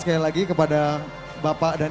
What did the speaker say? sehingga kami menghasilkan